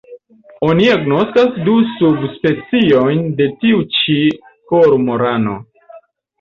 Oni agnoskas du subspeciojn de tiu ĉi kormorano.